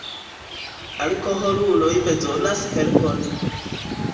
Alkoholuloj bezonas helpon.